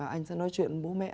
anh sẽ nói chuyện với bố mẹ